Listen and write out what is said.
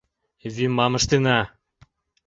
— Вӱмам ыштена!